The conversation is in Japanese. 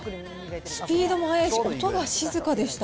スピードも速いし、音が静かでした。